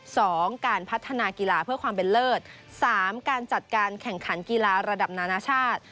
สองการพัฒนากีฬาเพื่อความเป็นเลิศสามการจัดการแข่งขันกีฬาระดับนานาชาติ